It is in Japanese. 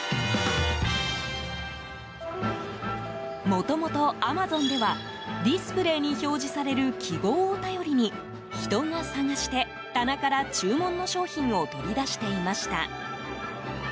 もともと、アマゾンではディスプレーに表示される記号を頼りに人が探して棚から注文の商品を取り出していました。